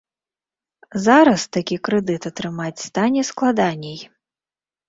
Зараз такі крэдыт атрымаць стане складаней.